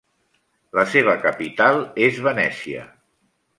La seva capital és Venècia.